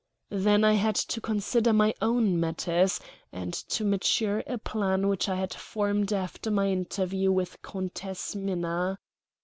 Then I had to consider my own matters, and to mature a plan which I had formed after my interview with the Countess Minna.